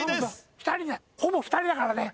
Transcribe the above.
２人でほぼ２人だからね。